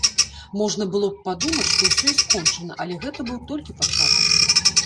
Можна было б падумаць, што ўсё і скончана, але гэта быў толькі пачатак.